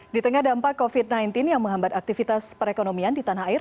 di tengah dampak covid sembilan belas yang menghambat aktivitas perekonomian di tanah air